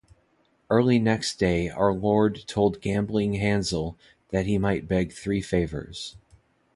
Early next day our Lord told Gambling Hansel that he might beg three favours.